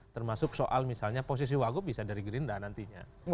termasuk soal misalnya posisi waguh bisa dari gerinda nantinya